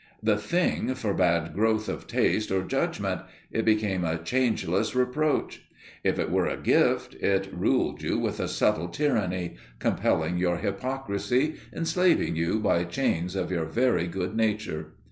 The Thing forbade growth of taste or judgment, it became a changeless reproach. If it were a gift, it ruled you with a subtle tyranny, compelling your hypocrisy, enslaving you by chains of your very good nature.